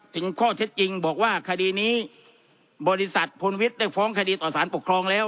ถึงข้อเท็จจริงบอกว่าคดีนี้บริษัทพลวิทย์ได้ฟ้องคดีต่อสารปกครองแล้ว